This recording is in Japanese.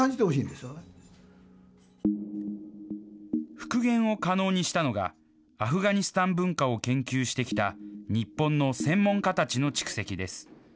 復元を可能にしたのが、アフガニスタン文化を研究してきた、日本の専門家たちの蓄積です。